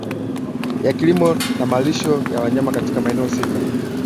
ya kilimo na malisho ya wanyama Katika maeneo husika